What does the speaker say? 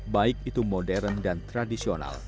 baik itu modern dan tradisional